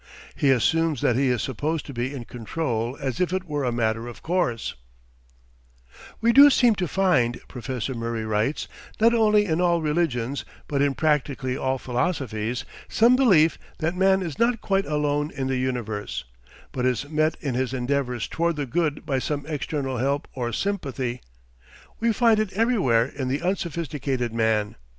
He assumes that he is supposed to be in control as if it were a matter of course: "We do seem to find," Professor Murray writes, "not only in all religions, but in practically all philosophies, some belief that man is not quite alone in the universe, but is met in his endeavours towards the good by some external help or sympathy. We find it everywhere in the unsophisticated man.